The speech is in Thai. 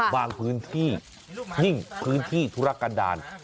พื้นที่ยิ่งพื้นที่ธุรกันดาล